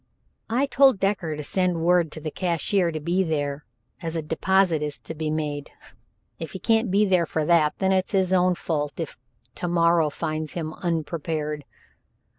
"I told Decker to send word to the cashier to be there, as a deposit is to be made. If he can't be there for that, then it's his own fault if to morrow finds him unprepared."